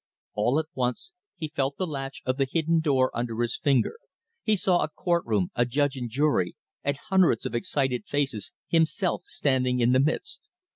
All at once he felt the latch of the hidden door under his finger; he saw a court room, a judge and jury, and hundreds of excited faces, himself standing in the midst.